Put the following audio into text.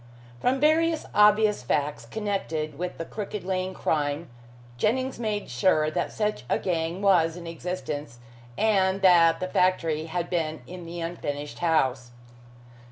From various obvious facts connected with the Crooked Lane crime, Jennings made sure that such a gang was in existence, and that the factory had been in the unfinished house.